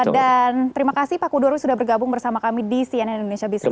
dan terima kasih pak kudori sudah bergabung bersama kami di cnn indonesia business hour